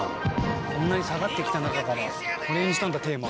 こんなに下がってきた中からこれにしたんだテーマ」